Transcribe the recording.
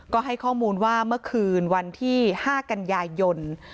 ก็ให้ข้อมูลว่าเมื่อคืนวันที่๕กันยายน